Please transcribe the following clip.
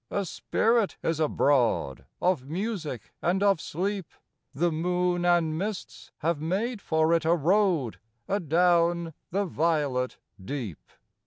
A spirit is abroad Of music and of sleep; The moon and mists have made for it a road Adown the violet deep.